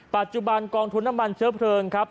ปัจจุบันกองทุนน้ำมันเชื้อเพลิงครับ